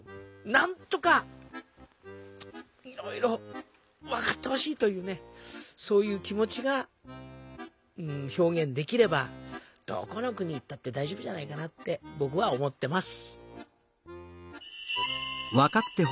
なんとかいろいろ分かってほしいというねそういう気持ちが表現できればどこの国行ったってだいじょうぶじゃないかなってぼくは思ってます！